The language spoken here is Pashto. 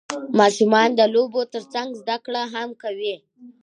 ماشومان د لوبو ترڅنګ زده کړه هم کوي